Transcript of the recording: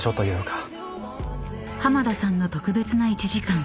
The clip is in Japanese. ［濱田さんの特別な１時間］